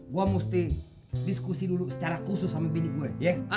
gue mesti diskusi dulu secara khusus sama bini gue